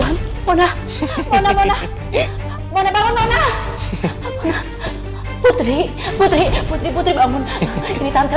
ke dua an mona mona mona mona bangun mona putri putri putri putri bangun ini tante